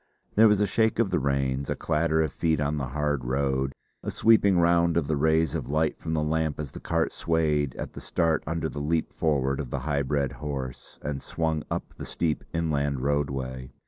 There was a shake of the reins, a clatter of feet on the hard road, a sweeping round of the rays of light from the lamp as the cart swayed at the start under the leap forward of the high bred horse and swung up the steep inland roadway.